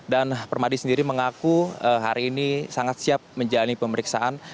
dan permadi sendiri mengaku hari ini sangat siap menjalani pemeriksaan